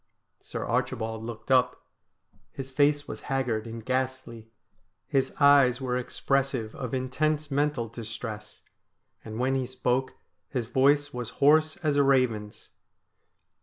Sir Archibald looked up. His face was haggard and ghastly. His eyes were expressive of intense mental distress, and when he spoke his voice was hoarse as a raven's.